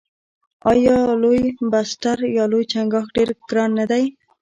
آیا لوبسټر یا لوی چنګاښ ډیر ګران نه دی؟